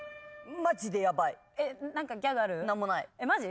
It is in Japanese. マジ？